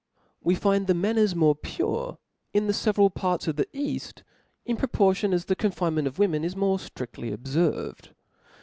' We find the manners more pure in the feveral parts of the eaft, in proportion as the confinement pf women is more ftriftly obfervcd.